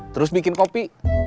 terus bikin kopi